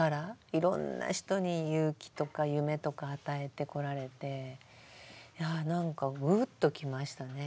いろんな人に勇気とか夢とか与えてこられてなんかグッときましたね。